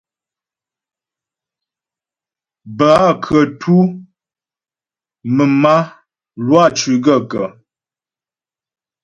Bə́ a kətʉ' mə̀m a, Lwâ cʉ́ gaə̂kə́ ?